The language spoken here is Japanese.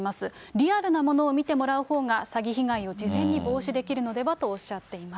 リアルなものを見てもらうほうが詐欺被害を事前に防止できるのではとおっしゃっています。